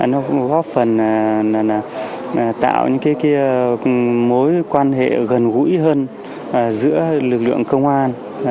nó góp phần tạo những mối quan hệ gần gũi hơn giữa lực lượng công an